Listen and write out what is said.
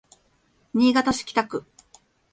新潟市北区